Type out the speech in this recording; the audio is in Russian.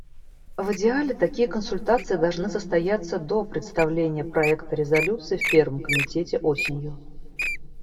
В идеале, такие консультации должны состояться до представления проекта резолюции в Первом комитете осенью.